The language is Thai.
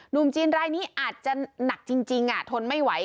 หนุ่มจีนรายนี้อาจจะหนักจริงจริงทนไม่ไหว